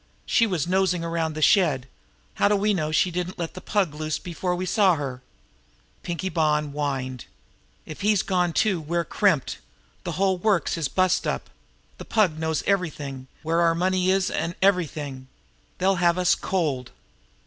She was nosing around the shed. How do we know she didn't let the Pug loose before we saw her?" Pinkie Bonn whined: "If he's gone too, we're crimped! The whole works is bust up! The Pug knows everything, where our money is, an' everything. They'll have us cold!"